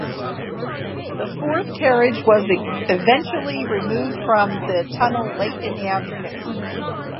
The fourth carriage was eventually removed from the tunnel late in the afternoon.